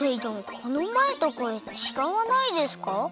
このまえとこえちがわないですか？